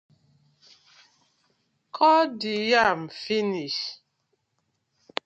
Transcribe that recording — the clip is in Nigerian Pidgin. Kot de yam finish.